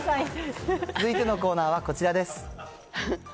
続いてのコーナーはこちらです。